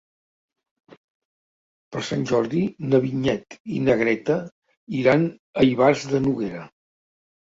Per Sant Jordi na Vinyet i na Greta iran a Ivars de Noguera.